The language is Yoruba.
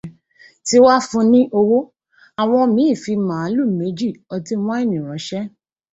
Tíwá fun ní owó, àwọn míì fi màálù méjì, ọtí wáìnì ránṣẹ.